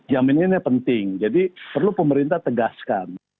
jaminannya penting jadi perlu pemerintah tegaskan